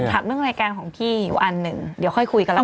เรื่องรายการของพี่อยู่อันหนึ่งเดี๋ยวค่อยคุยกันแล้ว